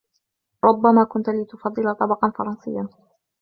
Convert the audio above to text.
ربما ، كنت لتفضل طبقًا فرنسيا.